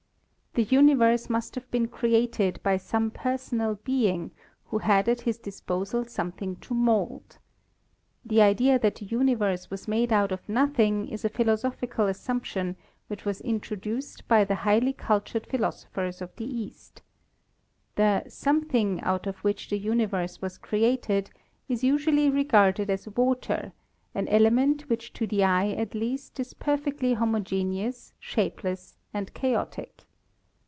The universe must have been created by some Personal Being who had at his disposal something to mold. The idea that the universe was made out of nothing is a philo sophical assumption which was introduced by the highly 2 ASTRONOMY cultured philosophers of the East. The something out of which the universe was created is usually regarded as water, an element which to the eye at least is perfectly homogeneous, shapeless, and chaotic.